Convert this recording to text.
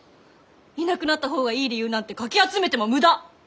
いなくなった方がいい理由なんてかき集めても無駄！